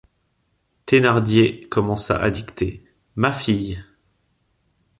Thénardier commença à dicter: —« Ma fille...